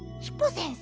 先生！